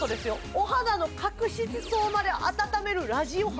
お肌の角質層まで温めるラジオ波